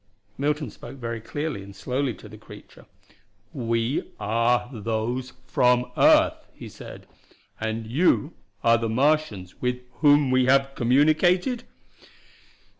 Milton spoke very clearly and slowly to the creature: "We are those from earth," he said. "And you are the Martians with whom we have communicated?"